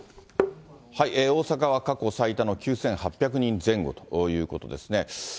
大阪は過去最多の９８００人前後ということですね。